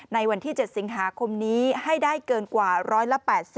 ในวันที่๗สิงหาคมนี้ให้ได้เกินกว่า๑๘๐